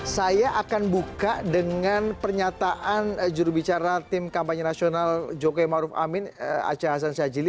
saya akan buka dengan pernyataan jurubicara tim kampanye nasional jokowi maruf amin aca hasan syajili